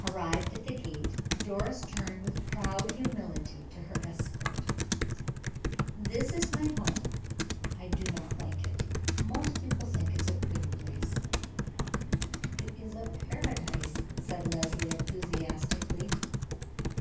Arrived at the gate, Doris turned with proud humility to her escort. "This is my home. I do not like it. Most people think the place pretty." "It is a paradise!" said Leslie, enthusiastically.